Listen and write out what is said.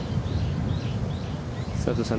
佐藤さん